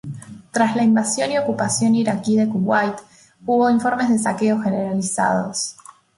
Tras la invasión y ocupación iraquí de Kuwait, hubo informes de saqueos generalizados.